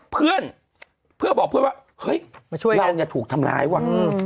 เพื่อนเพื่อบอกเพื่อนว่าเฮ้ยเราเนี่ยถูกทำร้ายว่ะ